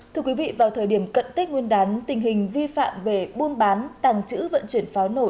thưa quý vị vào thời điểm cận tết nguyên đán tình hình vi phạm về buôn bán tàng trữ vận chuyển pháo nổ